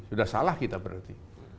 sudah salah kita berarti